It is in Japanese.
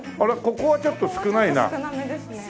ここはちょっと少なめですね。